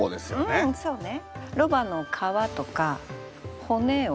うんそうね。